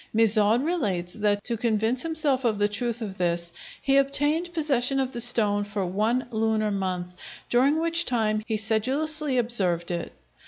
Mizauld relates that to convince himself of the truth of this he obtained possession of the stone for one lunar month, during which time he sedulously observed it.